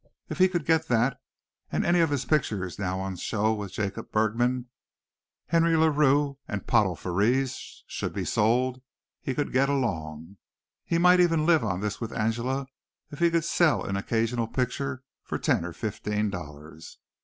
If he could get that, and any of the pictures now on show with Jacob Bergman, Henry LaRue and Pottle Frères should be sold, he could get along. He might even live on this with Angela if he could sell an occasional picture for ten or fifteen dollars.